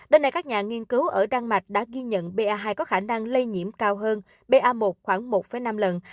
đến nay các nhà nghiên cứu ở đan mạch đã ghi nhận ba hai có khả năng lây nhiễm cao hơn ba khoảng một năm lần